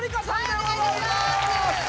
はいお願いいたします